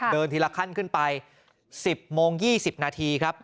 เดินทีละขั้นขึ้นไป๑๐โมง๒๐นาทีครับ